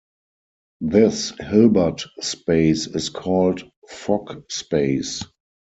This Hilbert space is called Fock space.